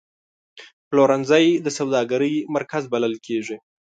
پلورنځی د سوداګرۍ مرکز بلل کېږي.